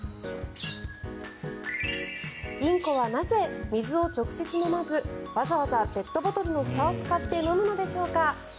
インコはなぜ水を直接飲まずわざわざペットボトルのふたを使って飲むのでしょうか。